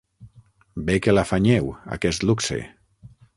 Bé que l'afanyeu, aquest luxe.